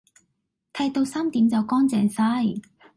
剃到三點就乾淨曬